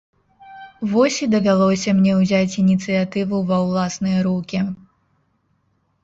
Вось і давялося мне ўзяць ініцыятыву ва ўласныя рукі.